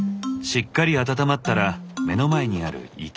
しっかり温まったら目の前にある池に。